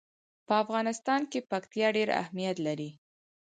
په افغانستان کې پکتیا ډېر اهمیت لري.